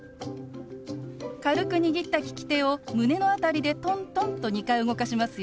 軽く握った利き手を胸の辺りでトントンと２回動かしますよ。